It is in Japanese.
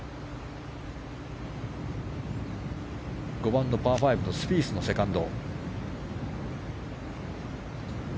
５番のパー５スピースのセカンド。